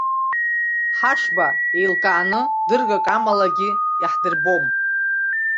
Ҳашба еилкааны дыргак амалагьы иаҳдырбом.